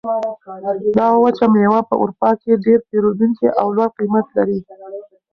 دا وچه مېوه په اروپا کې ډېر پېرودونکي او لوړ قیمت لري.